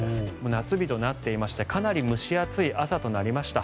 夏日となっていましてかなり蒸し暑い朝となりました。